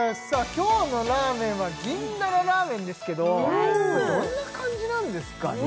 今日のラーメンは銀だらラーメンですけどどんな感じなんですかね？